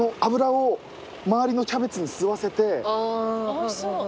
おいしそう。